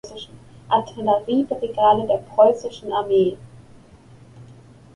Artilleriebrigade der Preußischen Armee.